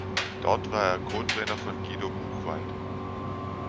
Dort war er Co-Trainer von Guido Buchwald.